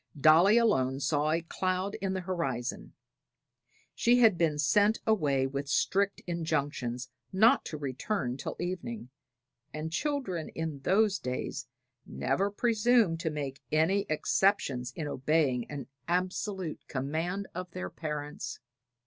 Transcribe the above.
Dolly alone saw a cloud in the horizon. She had been sent away with strict injunctions not to return till evening, and children in those days never presumed to make any exceptions in obeying an absolute command of their parents.